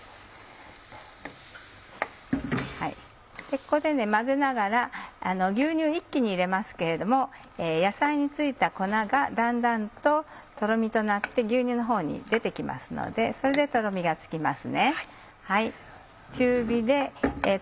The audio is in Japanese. ここで混ぜながら牛乳一気に入れますけれども野菜に付いた粉がだんだんととろみとなって牛乳のほうに出て来ますのでそれでとろみがつきます。